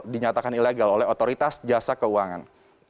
dinyatakan ilegal oleh otoritas jasa keuangan